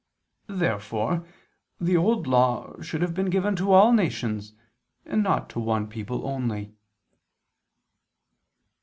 Therefore the Old Law should have been given to all nations, and not to one people only.